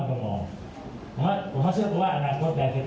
เพราะฉะนั้นเขาเชื่อเพราะว่าอนาคตแบสเกตการเวียนเกติก